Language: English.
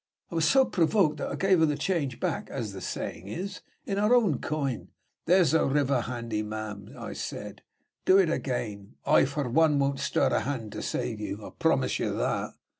I was so provoked that I gave her the change back (as the saying is) in her own coin. 'There's the river handy, ma'am,' I said; 'do it again. I, for one, won't stir a hand to save you; I promise you that.'